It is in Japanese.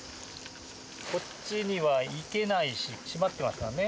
こっちには行けないし、しまってますからね。